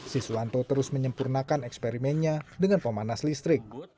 si suwanto terus menyempurnakan eksperimennya dengan pemanas listrik